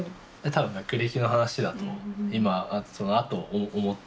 多分学歴の話だとそのあと思った。